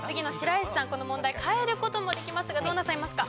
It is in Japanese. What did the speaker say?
この問題変える事もできますがどうなさいますか？